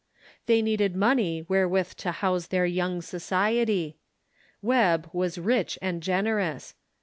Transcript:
They needed money wherewith to house their young society — Webb was rich and generous.